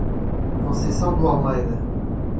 Conceição do Almeida